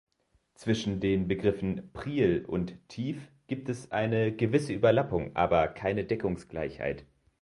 Zwischen den Begriffen Priel und Tief gibt es eine gewisse Überlappung, aber keine Deckungsgleichheit.